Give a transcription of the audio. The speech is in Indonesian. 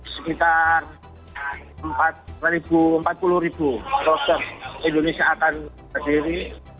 sekitar empat puluh roster indonesia akan berdiri